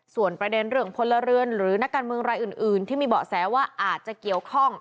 ส่วนประเด็นเรื่องพลเรือนหรือนักการเมืองรายอื่นที่มีเบาะแสว่าอาจจะเกี่ยวข้อง